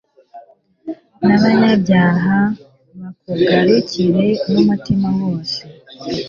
n'abanyabyaha bakugarukire n'umutima wose